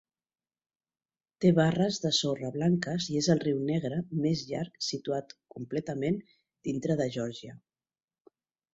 Te barres de sorra blanques i és el riu negre més llarg situat completament dintre de Georgia.